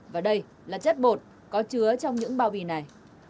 và đây là chất bột có chứa trong những bao bì này